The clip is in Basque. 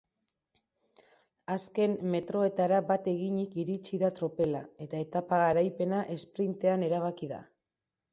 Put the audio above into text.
Azken metroetara bat eginik iritsi da tropela eta etapa garaipena esprintean erabaki da.